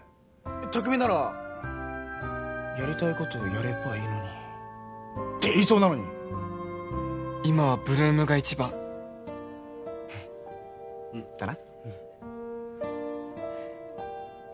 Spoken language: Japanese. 巧なら「やりたいことやればいいのに」って言いそうなのに今は８ＬＯＯＭが一番だな